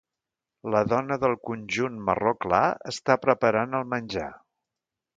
La dona del conjunt marró clar està preparant el menjar.